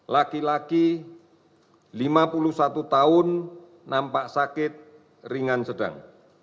lima puluh delapan laki laki lima puluh satu tahun nampak sakit ringan sedang